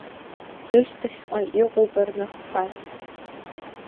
Рышьҭахьҟа иҟоуп рнапқәа.